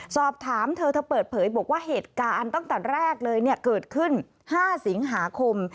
สอบถามเธอเธอเปิดเผยบอกว่าเหตุการณ์ตั้งแต่แรกเลยเกิดขึ้น๕สิงหาคม